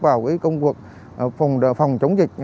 vào công cuộc phòng chống dịch